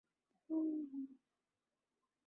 تو اپنی ہر نیکی کو معمولی سمجھے